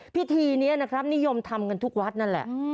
พิธีนี้นะครับนิยมทำกันทุกวัดนั่นแหละ